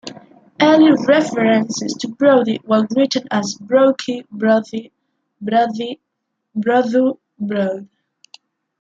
Early references to Brodie were written as Brochy, Brothy, Brothie, Brothu, Brode.